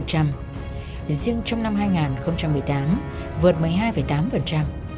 riêng trong năm hai nghìn một mươi tám vượt một mươi hai tám